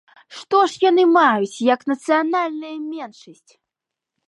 Што ж яны маюць як нацыянальная меншасць?